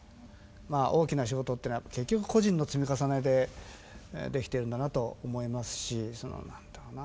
まあ大きな仕事っていうのは結局個人の積み重ねでできてるんだなと思いますしその何ていうかな。